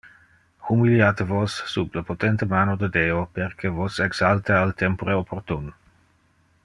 Humiliate vos, sub le potente mano de Deo, perque vos exalta al tempore opportun.